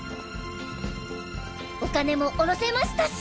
お金もおろせましたし。